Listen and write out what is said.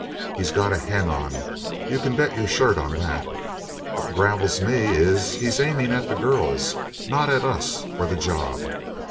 He's got a hen on, you can bet your shirt on that what gravels me is he's aiming at the girls, not at us or the job."